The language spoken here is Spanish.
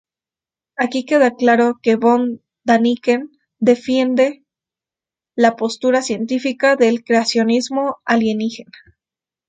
Aquí queda claro que Von Däniken defiende la postura científica del creacionismo alienígena.